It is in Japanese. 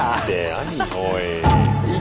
何おい。